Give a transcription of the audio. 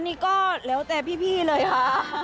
นี่ก็แล้วแต่พี่เลยค่ะ